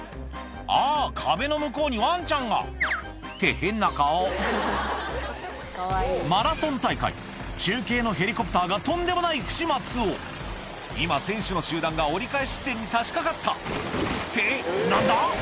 あぁ壁の向こうにワンちゃんがって変な顔マラソン大会中継のヘリコプターがとんでもない不始末を今選手の集団が折り返し地点にさしかかったって何だ？